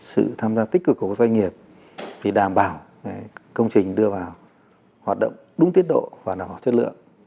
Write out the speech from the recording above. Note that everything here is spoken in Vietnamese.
sự tham gia tích cực của các doanh nghiệp để đảm bảo công trình đưa vào hoạt động đúng tiết độ và đảm bảo chất lượng